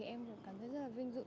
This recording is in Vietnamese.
thì em cảm thấy rất là vinh dự